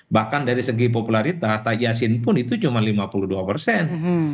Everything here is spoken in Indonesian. bahkan dari segi popularitas tajasin pun itu cuma lima puluh dua persen